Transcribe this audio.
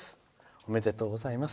おめでとうございます。